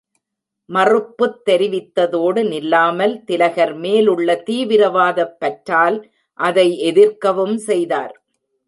மறுப்புத் தெரிவித்ததோடு நில்லாமல், திலகர் மேலுள்ள தீவிரவாதப் பற்றால் அதை எதிர்க்கவும் செய்தார்.